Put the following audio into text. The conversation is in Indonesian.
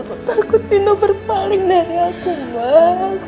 aku takut nino berpaling dari aku ma